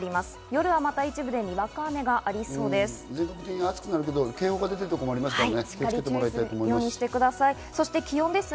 夜はまた一部でにわか雨がありそうです。